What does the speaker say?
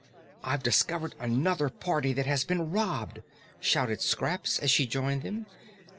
"I've discovered another party that has been robbed," shouted Scraps as she joined them.